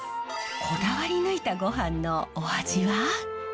こだわり抜いたごはんのお味は。